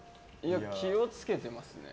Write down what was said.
気を付けてますね。